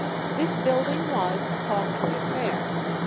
This building was a costly affair.